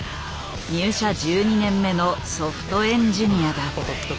入社１２年目のソフトエンジニアだ。